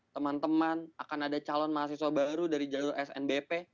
teman teman akan ada calon mahasiswa baru dari jalur snbp